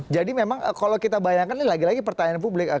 jadi memang kalau kita bayangkan ini lagi lagi pertanyaan publik